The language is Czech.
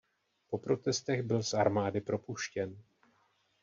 Po protestech byl z armády propuštěn.